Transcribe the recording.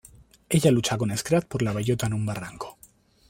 Ella lucha con Scrat por la bellota, en un barranco.